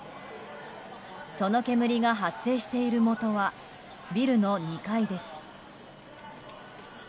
その煙が発生しているもとはビルの２階です。